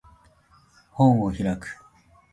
本を開く